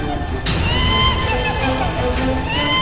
tidak tidak tidak